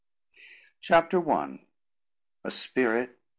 CHAPTER I "A spirit